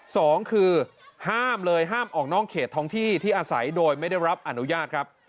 สองคือห้ามเลยห้ามออกนอกเขตท้องที่ที่อาศัยโดยไม่ได้รับอนุญาตครับ